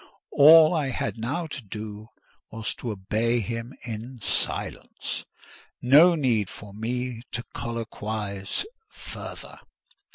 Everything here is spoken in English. All I had now to do was to obey him in silence: no need for me to colloquise further.